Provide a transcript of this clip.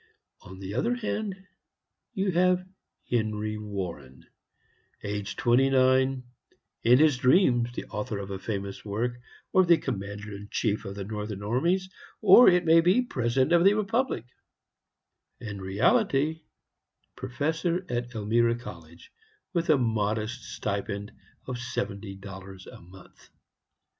On the other hand, you have Henry Warren, aged twenty nine; in his dreams the author of a famous work, or the commander in chief of the Northern armies, or, it may be, President of the Republic in reality, Professor at Elmira College, with a modest stipend of seventy dollars a month.